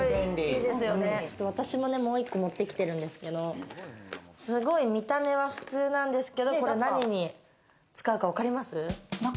私ももう１個持ってきてるんですけれど、すごい見た目は普通なんですけれど、これ何に使うかわかります？